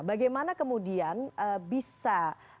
bagaimana kemudian bisa